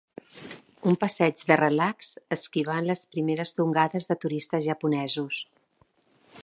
Un passeig de relax esquivant les primeres tongades de turistes japonesos.